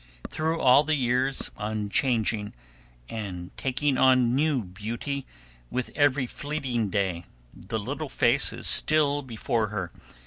Through all the years, unchanging, and taking on new beauty with every fleeting day, the little face is still before her.